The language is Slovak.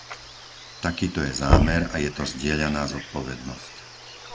Takýto je zámer a je to zdieľaná zodpovednosť.